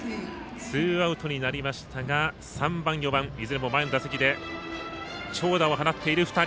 ツーアウトになりましたが３番、４番、いずれも前の打席で長打を放っている２人。